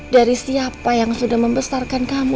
dari siapa yang sudah membesarkan kamu